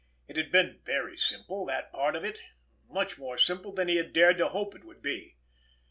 It had been very simple, that part of it; much more simple than he had dared to hope it would be.